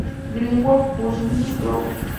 Greenwood Publishing Group.